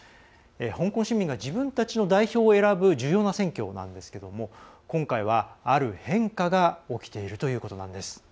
香港市民が自分たちの代表を選ぶ重要な選挙なんですけども今回はある変化が起きているということなんです。